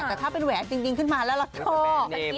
แต่ถ้าเวงจริงขึ้นมาแล้วเราทอง